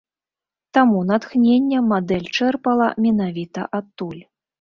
Таму натхнення мадэль чэрпала менавіта адтуль.